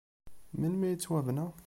Melmi ay yettwabna?